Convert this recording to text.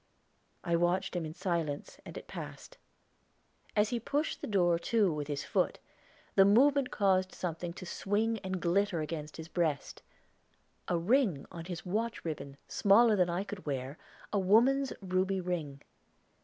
I watched him in silence, and it passed. As he pushed the door to with his foot, the movement caused something to swing and glitter against his breast a ring on his watch ribbon smaller than I could wear, a woman's ruby ring.